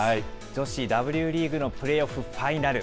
女子Ｗリーグのプレーオフファイナル。